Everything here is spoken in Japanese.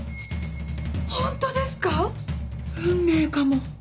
ホントですか⁉運命かも。